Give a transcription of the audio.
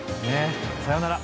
さよなら！